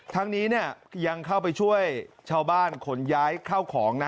ทั้งนี้ยังเข้าไปช่วยชาวบ้านขนย้ายเข้าของนะ